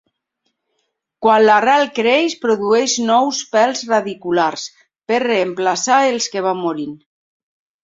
Quan l'arrel creix produeix nous pèls radiculars per reemplaçar els que van morint.